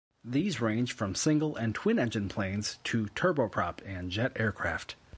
These range from single and twin engine planes to turboprop and jet aircraft.